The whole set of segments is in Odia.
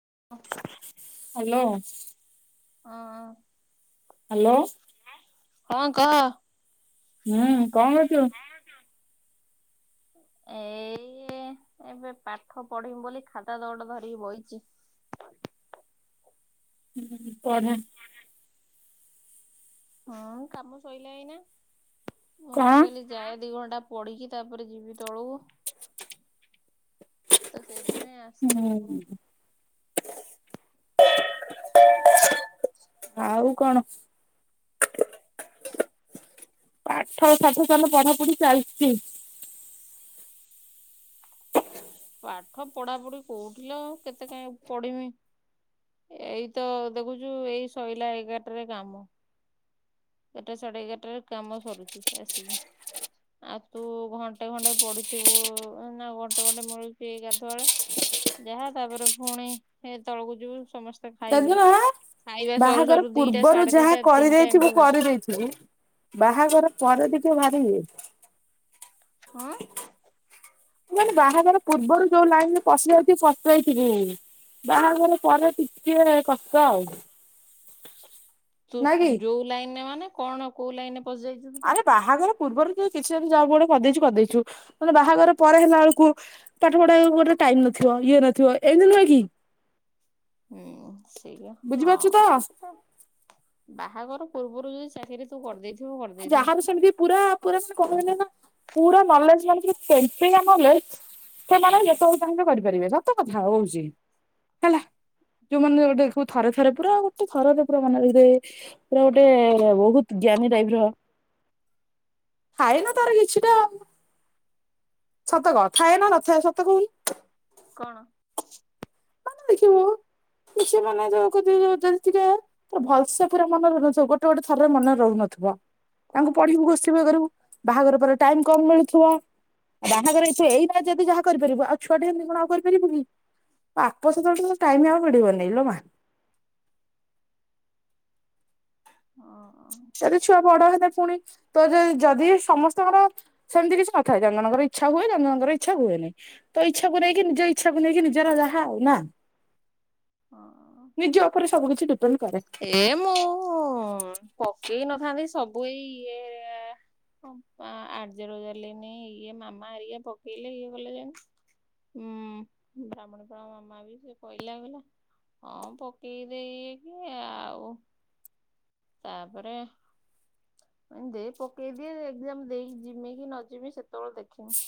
[inaudible] ହ୍ୟାଲୋ। ହ। ହ୍ୟାଲୋ। ହଁ କହ? ହୁଁ କଣ କରୁଛୁ? ଏଇ ଏବେ ପାଠ ପଢିମି ବୋଲି ଖାତା ଦୌଡ ଧରିକି ବଇଛି ହୁଁ ପଢା ହୁଁ କାମ ଶୋଇଲା ଏଇ ନା ଓ କଣ ପ ଯାଏ ଦି ଘଣ୍ଟା ପଢିକି ତାପରେ ଯିବି ତଳୁ ତ ସେଇଥିପାଇ ଆସଛି ଉପରୁ ହୁଁ [inaudible] ଆଉ। କଣ ପାଠ ସାଠ ସଲ ପଢାପଢି ଚାଲିଛି ପାଠ ପଢା ପଢି କୋଉଥିଲ ଆ କେତେ କଁ ପଢିମି ଏଇ ତ ଦେଖୁଛୁ ଏଇ ଶହିଲ ଏଗାର ଟାରେ କାମ ଏଗାରଟା ସାଢେ ଏଗାରଟାରେ କାମ ସରୁଛି ଆସିକି ଆଉ ତୁ ଘଣ୍ଟେ ଘଣ୍ଟେ ପଡିଥିବୁ ନା ଘଣ୍ଟେ ଘଣ୍ଟେ ମିଳୁଛି ଗାଧୁଆଳେ ଯାହା ତାପରେ ପୁଣି ତଳକୁ ଯିବୁ ସମସ୍ତେ ଖାଇବେ। ତାଦିନ ଖାଇବା ସରୁ ବାହାଘର ସରୁ ଦିଟା ପୂର୍ବରୁ ସାଢେ ଯାହା ଦିଟା ତିନିଟା ଏମିତି କରିଦେଇଥିବୁ ହଉଛି କରିଦେଇଥିବ ବାହାଘର ପରେ ଟିକେ ଭାରି ଇଏ ହୁଁ। ମୁଁ ମାନେ ବାହାଘର ପୂର୍ବରୁ ଯୋଉ ଲାଇନ ରେ ପଶିଯାଇଛି ପଶିଯାଇଥିବି ବାହାଘର ପରେ ଟିକେ କଷ୍ଟ ଆଉ ତୁ ନା କି ଯୋଉ ଲାଇନରେ ମାନେ କଣ କୋଉ ଲାଇନରେ? ପଶିଯାଇଛୁ ତୁ ଆରେ ବାହାଘର ପୂର୍ବରୁ କିଛି ଜବ ଗୋଡେ କରିଦେଇଛୁ କରିଦେଇଛୁ ମାନେ ବାହାଘର ପରେ ହେଲା ବେଳକୁ ପାଠ ପଢେଇବାକୁ ଗୋଟେ ଟାଇମ ନଥିବ ଇଏ ନଥିବ ଏମିତି ନୁହେଁ କି ହୁଁ ସେଇ ହଁ ବୁଝିପାରୁଛୁ ତ ସେ ବାହାଘର ପୂର୍ବରୁ ଯଦି ଚାକିରି ତୁ କରିଦେଇଥି ଯାହାର ସେମିତି ପୁରା ପୁରା ସେ କଣ ନା ପୁରା ନଲେଜ ମାନେ ସେମତିକା ନଲେଜ୍ ସେମାନେ ଯେତେବେଳେ ଚାହିଁବେ କରିପାରିବେ ସତ କଥା ହଉଛି ହେଲା ଯୋଉମାନେେ ଗୋଟେ ଥରେ ରେ ପୁରା ଗୋଟେ ଥରକେ ପୁରା ମନେ ରଖିଦେବେ ପୁରା ଗୋଟେ ବହୁତ ଜ୍ଞାନୀ ଟାଇପ ର ଥାଏ ନା ତାର କିଛିଟା ସତ କ ଥାଏ ନା ନଥାଏ ସତ କହିଲୁ? କଣ ଦେଖିବୁ କି ସେ ମାନେ ଯୋଉ ଯଦି ଟିକେ ପୁରା ଭଲସେ ପୁରା ମନେ ରହୁନଥିବ ଗୋଟେ ଗୋଟେ ଥରରେ ମନେ ରହୁନଥିବ ତାଙ୍କୁ ପଢିବୁ ଘୋଷିବୁ ଇଏ କରିବୁ ବାହାଘର ପରେ ଟାଇମ କମ ମିଳୁଥିବ। ବାହାଘର ଏଇ ରାଜ ଯଦି ଯାହା କରିପାରିବ ଆଉ ଛୁଆଟ ହେଲେ କଣ ଆଉ କରିପାରିବୁ କି ବାପ ସେତେବେଳେ ତ ଟାଇମ ଆଉ ମିଳିବନାଇ ଲ ମା ସେତି ଛୁଆ ବଡ ହେ ପୁଣି ତ ଯ ଯଦି ସମସ୍ତଙ୍କର ସେମିତି କିଛି ନଥାଏ ଜନ ଜଣଙ୍କର ଇଚ୍ଛା ହୁଏ ଜନ୍ଦ ଜଣଙ୍କର ଇଚ୍ଛା ହୁଏନିଁ ତ ଇଚ୍ଛାକୁ ନେଇକି ନିଜ ଇଚ୍ଛାକୁ ନେଇକି ନିଜର ଯାହା ଆଉ ନା ନିଜ ଉପରେ ସବୁ କିଛି ଡିପେଣ୍ଡ କରେ। ଏମୁଁ ପକେଇ ନଥାନ୍ତି ସବୁ ଏଇ ଇଏ ଆଯ୍ୟର ଜାରଲିନି ଇଏ ମାମାରିକ ପକେଇଲେ ଇଏ କଲେ ଯେଁ ବ୍ରାହ୍ମଣୀପ ମାମା ବି ସେ କହିଲା କଲା ହଁ ପକେଇ ଦେଇକି ଆଉ ତାପରେ ଦେଇ ପକେଇଦିଏ ଏଜାମ ଦେଇକି ଯମି କି ନ ଯମି ସେତେବେଳେ ଦେଖିନବି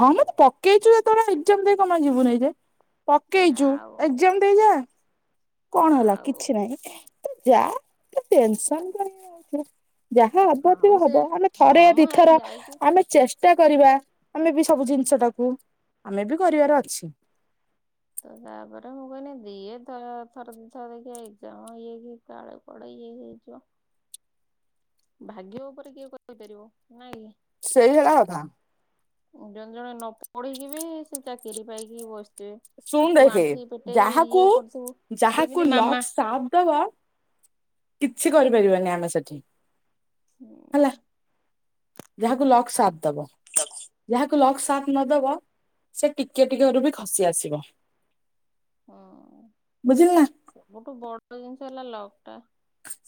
ହଁ ମତେ ପକେଇଛୁ ଯେତେବେଳେ ଏଜାମ ଦେଇ କମା ଯିବୁନାଇ ଯେ ପକେଇଛୁ ଆଉ ଏଜାମ ଦେଇ ଯା କଣ ହେଲା ଆଉ କିଛି ନାହିଁ ତୁ ଯା ତୁ ଟେନସନ କାଇଁ ହ‌ଉଛୁ। ଯାହା ଆଉ ହବାରଥିବ ସେ ହବ ଆମେ ହଁ ଥରେ ମ ହେରା ଦିଥର ଯାଇକି ଆମେ ଚେଷ୍ ଟା କରିବା। ଆମେବି ସବୁ ଜିନଷ ଟାକୁ ଆମେବି କରିବାର ଅଛି। ତ ତା ପରେ ମୁଁ କହିଲି ଦିଏ ଥର ଥରେଦିଥର ଦେଖିବା ଏକ୍ଜାମ ଇଏ ହେଇକି କାଳେ କୁଆଡ଼େ ଇଏ ହେଇଯିବ। ଭାଗ୍ୟ ଉପରେ କିଏ କହିପାରିବ ନାଇଁକି? ସେଇ ହେଲା କଥା। ଜଣେ ଜଣେ ନ ପଢିକି ବି ସେ ଚାକିରି ପାଇକି ବସ୍ ଶୁଣ ଦେଖେ ଯାହାକୁ ଇଏ କରୁଥିବୁ ଯାହାକୁ ଯେମିତି ମାମା। ଲକ୍ ସାଥ୍ ଦବ କିଛି କରିପାରିବାନି ଆମେ ସେଠି ହେଲା ଯାହାକୁ ଲକ୍ ସାଥ ଦବ ଯାହାକୁ ଲକ୍ ସ୍ ସାଥ୍ ନଦବ ସେ ଟିକେ ଟିକେ ବାଟରୁ ବି ଖସି ଆସିବ। ଥିବ, ହଁ ସବୁଠୁ ବଡ଼୍ [unintelligible] ଜିନସ ହେଲା ଲକ୍। ଟା।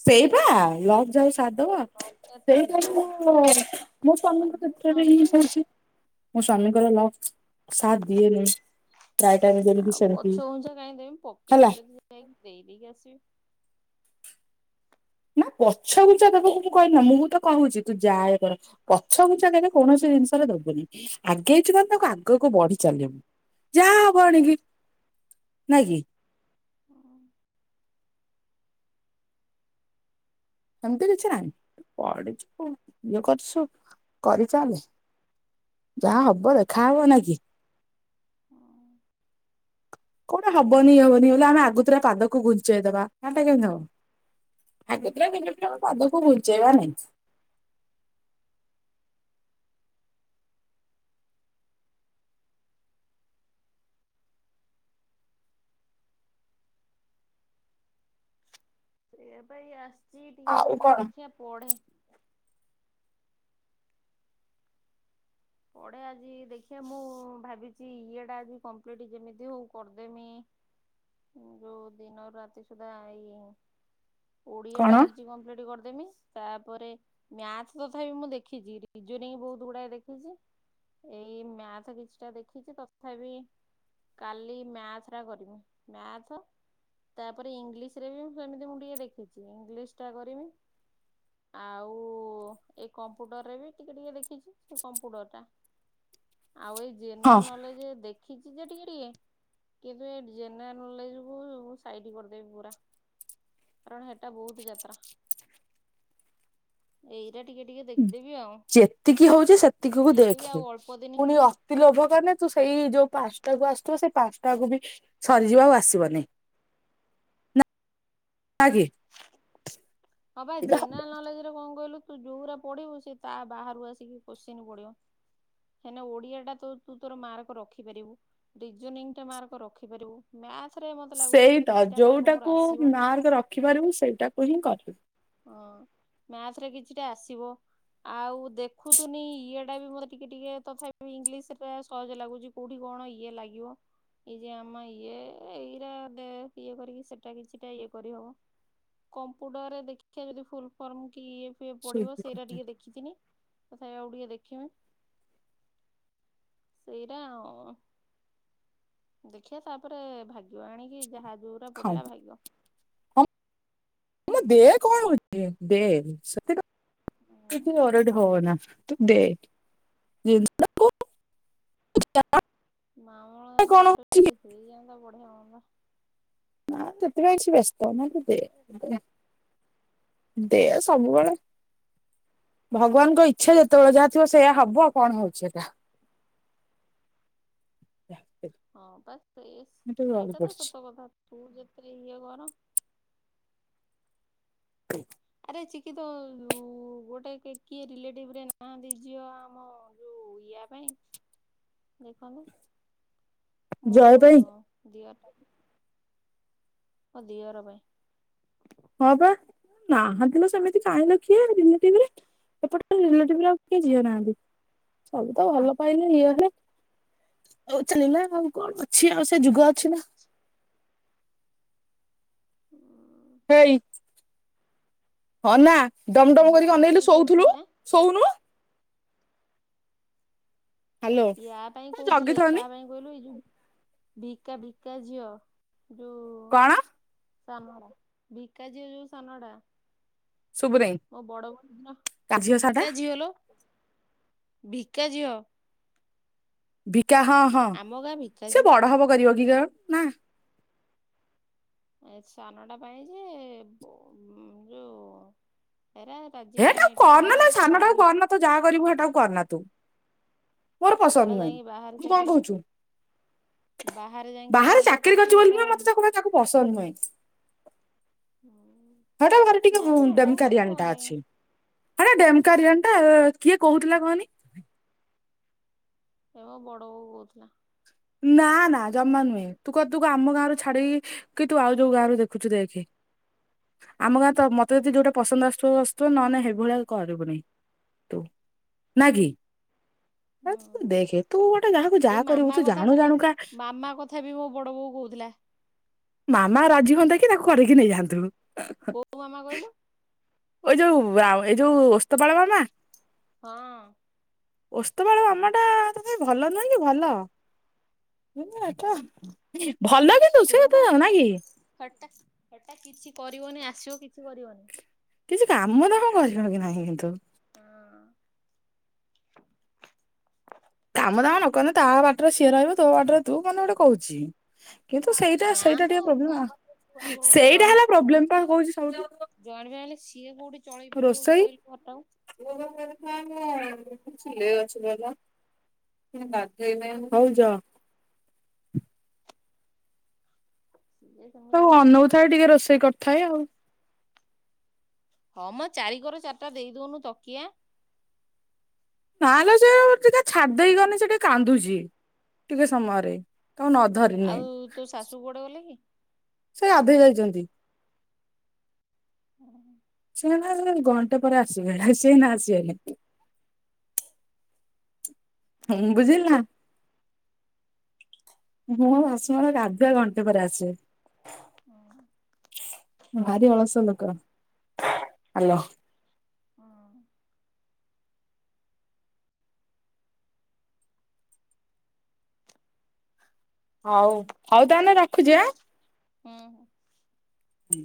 ସେଇଟା ଲକ୍ ଯାହାକୁ ଯଦି ସାଥ୍ ଦବ ମୋର ଲକ୍ ଟା ସେଇଟା ଥିବ ମୁଁମୋ ମୋ ସ୍ୱମୀଙ୍କ ବାଜିବ କ୍ଷେତ୍ରରେ ନହେଲେ ଇଏ ନାହିଁ କରିଛି। ମୋ ସ୍ୱାମୀଙ୍କର ଲକ୍ ସ୍ ଟାଇମ ଯେମିତି ଆଉ ସେମିତି ପଛ ଘୁଞ୍ଚା କାହିଁକ ଦେବି ପକେଇଛି ହେଲା ଯଦି ଯାଇକ ଦେଇଦେଇକି ଆସିବି। ନା ପଛଗୁଞ୍ଚା ଦବାକୁ ମୁଁ କହିନି ମୁଁ ତ କହୁଛି ତୁ ଯା ଏକା ପଛଗୁଞ୍ଚା କେବେ କୌଣସି ଜିନିଷରେ ଦବୁନି ଆଗେଇଛୁ ମାନେ ତାକୁ ଆଗକୁ ବଢି ଚାଲିବୁ ଯାହା ହବ ଏଣିକି ନାଇଁକି ସେମତି କିଛି ନାହିଁ ତୁ ପଢି଼ଛୁ ଇଏ କରିଛୁ କରିଚାଲେ ଯାହା ହବ ଦେଖାହବ ନାଇଁକି। କଣ ହବନି ହବନି ବଲେ ଆମେ ଆଗତୁରା ପାଦକୁ ଘୁଞ୍ଚେଇଦବା ହେଟା କେମତି ହବ ଆଗତୁରା ପାଦକୁ ଘୁଞ୍ଚେଇବା ନାଇଁ। ସେୟାପା ଇଏ ଆସ୍ ଯି ଟିକେ ଆଉ ମୁଁ କାଇଁ କଣ ଦେଖିବା ପଢେ। ପଢ଼େ ଆଜି ଦେଖିବା ମୁଁ ଭାବିଛି ଇଏଟା ଆଜି କମ୍ପ୍ଲିଟ୍ ଯେମିତି ହଉ କରିଦେମି ଯଉ ଦିନ ରାତି ସୁଦ୍ଧା ଏଇ ଓଡିଆ କଣ ଟା ଆଜି କମ୍ପ୍ଲିଟ୍ କର୍ ତାପରେ ମ୍ଯାଥ୍ ତଥାପି ମୁଁ ଦେଖିଛିି ରିଜନିଙ୍ଗ ବହୁତ ଗୁଡ଼ାଏ ଦେଖ୍ ଏଇ ମ୍ୟାଥ କିଛିଟା ଦେଖିଛି ତଥାପି କାଲି ମ୍ୟାଥ ଟା କରିବି ମ୍ୟାଥ ତାପରେ ଇଂଲିଶ ରେ ସେମିତି ମୁଁ ଟିକେ ଦେଖିଛି ଇଂଲିଶ ଟା କରିବି ଆଉ ଏଇ କମ୍ପ୍ୟୁଟରରେ ବି ଟିକେ ଟିକେ ଦେଖିଛି। କମ୍ପ୍ୟୁଟର ଟା। ଆଉ ଏଇ ହଁ ଜେନେରାଲ ନଲେଜ ଦେଖ୍ ସିଖିଛ ଟିକେ ଟିକେ କିନ୍ତୁ ଏ ଜେନେରାଲ ନଲେଜ କୁ ସାଇଡ କରିଦେବି ପୁରା କାରଣ ହେଟା ବହୁତ ଯାତ୍ରା। ଏଇଟା ଟିକେ ଟିକେ ଦେଖ୍ ଯେତିକି ହଉଛି ସେତିକି କୁ ଦେଖିଦେବି ଦେଖେ ଆଉ ଅଳ୍ପ ଦିନି ପୁଣି ଅତି ଲୋଭ କଲେ ତୁ ହଁ ସେଇ ଯୋଉ ପାଶ୍ ଞ୍ଚଟା କୁ ଆସୁଥିବ ସେ ପାଞ୍ଚଟାକୁ ବି ସରିଯିବ ଆଉ ଆସିବନି। ନା ନାକି ହଁ ବା ଜେନେରାଲ ନଲେଜ ରେ କଣ କହିଲୁ ତୁ ଯୋଉଟା ପଢିବୁ ସେ ତା ବାହାରୁ ଆସିକି କୋଶ୍ଚିନ୍ ପଡ଼ିବ। କାହିଁକିନା ଓଡିଆ ଟା ତ ତୁ ତୋର ମାର୍କ ରଖିପାରିବୁ ରିଜନିଙ୍ଗ ଟା ମାର୍କ ରଖିପାରିବୁ, ମ୍ୟାଥ୍ ସେଇ ତ ଯୋଉଟାକୁ ଆସିବ। ମାର୍କ ରଖିପାରିବୁ ସେଇଟାକୁ ହିଁ କରିବୁ। ହଁ ମ୍ୟାଥରେ କିଛିଟା ଆସିବ। ଆଉ ଦେଖୁଥୁନି ଇଏଟା ବି ମୋତେ ଟିକେ ଟିକେ ତଥାପି ଇଂଲିଶଟା ସହଜ ଲାଗୁଛି କେଉଠି କଣ ଇଏ ଲାଗିବ। ଏଇ ଯେ ଆମ ଇଏ ଏଇଟା ଇଏ କରିକି ସେଇଟା କିଛିଟା ଇଏ କରିହେବ। କମ୍ପୁଟରରେ ଦେଖ କେ ଫୁଲ ଫର୍ମ କି ପଡିବ ସେଇଟା ଟିକେ ଦେଖିଥିନି ତଥାପି ଆଉ ଟିକେ ଦେଖିବା ସେଇରା ଅ-ଅ ଦେଖିବା ତାପରେ ଭାଗ୍ୟ ଆଣିକି ଯାହା ଯଉଟା ହଁ ପଡିଲା ଭାଗ୍ୟ ମ ଦେ ଦେଖ କଣ ହେଉଛି ଦେ ସେତ କିି ଓରିଡ୍ ହୋ ନା। ତ ଦେ [inaudible] ମା ମଙ୍ଗଳା କଣ ଦୟାରୁ ହଉଛି କି? ଯଦି ହେଇ ଯାଆନ୍ତା ତ ବଢିଆ ହୁଅନ୍ତା। ନା ସେଥିପାଇଁ କିଛି ବ୍ୟସ୍ତ ହ ନା ତୁ ଦେ, ଦେ ସବୁବେଳେ, ଭଗବାନଙ୍କ ଇଚ୍ଛା ଯେତେବେଳେ ଯାହା ଥିବ ସେଇୟା ହବ ଆଉ କଣ ହଉଛି ଏଟା। [inaudible] ହଁ ବା ସେ ମୁଁ ଟିକେ ଗଳି ସେଇଟା ତ ପଡିଛି। ସତ କଥା ତୁ ଯେଥିରେ ଇଏ କର [inaudible] କେ ଶିକ୍ଷିତ ଉ-ଉ-ଉ-ଉ ଗୋଟେ କିଏ ରିଲେଟିଭରେ ନାହାନ୍ତି ଝିଅ ଆମ ଯୋଉ ଇଆ ପାଇଁ ଦେଖନ୍ତୁ। ଜୟ ପାଇଁ ମୋ-ଓ-ଓ ଦିଅର ମୋ ଦିଅର ପାଇଁ। ହଁ ବା ନାହାନ୍ତି ଲୋ ସେମିତି କାହିଁଲ କିଏ ଲିଲେଟିଭରେ। ଏପଟେ ରିଲେଟିଭରେ କିଏ ଝିଅ ନାହାନ୍ତି। ସବୁ ତ ଭଲ ପାଇଲେ ଇଏରେ ଆଉ ଚାଲିଲା ଆଉ କଣ ଅଛି ଆଉ ସେ ଯୁଗ ଅଛି ନା ହେଇ ହଁ ନା ଡମ୍ ଡମ୍ ୟା କରିକି ଅନେଇଲୁ ପାଇଁ ଶୋଉଥିଲୁ କହୁଥିଲି ଶୋଉନୁ। ହାଲୋ ଇୟା ପାଇଁ କହୁଥିଲେ ଜଗିଥାନି କାହା ପାଇଁ କହିଲୁ ଏଇ ଯୋଉ ଭିକା ଭିକା ଝିଅ ଯୋଉ କଣ? ସାନଡା ଭିକା ଝିଅ ଯୋଉ ସାନଡା। ଶୁଭୁନେଇ ତା ଝିଅ ସାଟା ଭିକା ଝିଅ ଲୋ ଭି କା ଜିଅ ଭି କା ହଁ ହଁ ଆମ ଗାଁ ଭିକା ସେ ଝିଅ। ବଡ ହବ କରିବ ଭିଗାଉ ନା। ଏ ସାନଟା ପାଇଁ ଯେ ବୋ ଯୋଉ। ହେରା ରାଜି ହେବେନି ହେଟାକୁ ଏଠି କଣ ପାଇଁ କରନା ଲୋ। କହିଲୁ ସେ ସାନଟାକୁ ଯାଇକି କରନା ତୁ ଯାହା କରିବୁ ସେଟାକୁ କରନା ତୁ। ମୋର ପସନ୍ଦ ଏଟା ନୁହଁ ଯାଇକି ବାହାରେ ତୁ କଣ ଚାକିରି କହୁଛୁ ବାହାରେ ଯାଇକି ବାହାରେ ଇଏ ଚାକିରି କରୁଛି କରିଚି ବୋଲି ଏରା ନୁହଁ ମତେ ତା ତାକୁ ପସନ୍ଦ ନୁହଁ। ହୁଁ। ସେ ଟା ଭାରି ଟିକେ ହୁଁ ଡେମକାରିଆଣି ଭଲ ଟା ଅଛି ଲାଗେନି ସେ ଟା ଡେମ ଡେମକାରିଆଣି ଟା କିଏ କହୁଥିଲା କହନି। ଏମୋ ବଡ଼ ବୋଉ କହୁଥିଲା। ନା ନା ଜମା ନୁହେଁ ତୁ କ ତୁ କ ଆମ ଗାଁ ରୁ ଛାଡିକି କି ତୁ ଆଉ ଯୋଉ ଗାଁରୁ ଦେଖୁଛୁ ଦେଖେ ଆମ ଗାଁ ତ ମତେ ଯଦି ଯୋଉଟା ପସନ୍ଦ ଆସୁଥିବ ଆସୁଥିବ ନ ନାଇ ହେଭଳିଆ କରିବୁନି ତୁ ନା କି। ହେ ହୁଁ। ତୁ ଦେଖେ ତୁ ଗୋଟେ ଯାହାକୁ ଯାହା କରିବୁ। ମା ତୁ ଜାଣୁ କଥାକୁ ଜାଣୁକା ମାମା କଥା ବି ମୋ ବଡ ବୋଉ କହୁଥିଲା। ମାମା ରାଜି ହୁଅନ୍ତା କି ତାକୁ କରିକି ନେଇଯାଆନ୍ତୁ। କୋଉ ମାମା କହିଲୁ। ଏ ଯୋଉ ଆ ଏ ଯୋଉ ଓସ୍ତପାଳ ମାମା। ହଁ। ଓସ୍ତପାଳ ମାମା ଟା ତଥାପି ଭଲ ନୁହେଁ କି ଭଲ ଉଁ ଦେଖିବା। କୋଉଟା କୁ ହେଟା ହେଟା କିଛି କରିବନି ଆସିବ। କିଛି କରିବନି। କିଛି କାମ ଦାମ କରିବ କି ନାହିଁ କିନ୍ତୁ। କାମ ଦାମ ନ କଲେ ତା ବାଟରେ ସିଏ ରହିବ ତୋ ବାଟରେ ତୁ ମାନେ ଗୋଟେ କହୁଛି। କିନ୍ତୁ ସେଇଟା ନା ସେଇଟା ମ ଟିକେ ପ୍ରୋବଲେମ ତା ଆଉ ପାଖରେ ଆମର ଗୋଟେ ସେଇଟା ଜଏଣ୍ଟ ହେଲା ଫ୍ୟାମିଲି ପ୍ରୋବଲେମ୍ ପା କହୁଚି ଜଏଣ୍ଟ ଫ୍ୟାମିଲି ସିଏ କୋଉଠି ଚଳେଇ ପାରିବ ରୋଷେଇ। କହିଲୁ ଘରଟାକୁ। ହଁ ଚିଲେଇଲା ଚିଲେଇଲା। ପୁଣି ଗାଧେଇବି ହଉ ଯାଆ। ସିଏ ତାକୁ ସେମିତିଆ ଅନଉଥାଏ ଟିକେ ରୋଷେଇ କରି। ଉଥାଏ ଆଉ। ହଁ ମ ଚାରିିକର ଚାରିଟା ଦେଇ ଦଉନୁ ତକିଆ। ନା ଲୋ ସେ ଟିକେ ଛାଡି ଦେଇେଗଲେ ସେ ଟିକେ କାନ୍ଦୁଛି ଟିକେ ସମୟରେ। ତାକୁ ନ ଧରିନେ ଆଉ ତୋ ଶାଶୁ କୁଆଡେ ଗଲେ କି? ସେ ଗାଧେଇ ଯାଇଛନ୍ତି। ହୁଁ ସେ ଏଇନା ନୁହେଁ ଘଣ୍ଟେ ପରେ ଆସିବେ ହାରି ସେ ଏଇନା ଆସିବେନି। ହୁଁ ବୁଝିଲୁ ନା। ମୋ ଶାସୁଙ୍କର ଗାଧୁଆ ଘଣ୍ଟେ ପରେ ଆସିବେ। ଭାରି ଅଳଶୁଆ ଲୋ। କହ ହାଲୋ। ହଁ। ହଉ ହଉ ତାହାଲେ ରଖୁଛି ଆଁ। ହୁଁ ହୁଁ। ହୁଁ